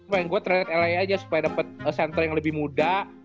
pengen gue trade la aja supaya dapet center yang lebih mudah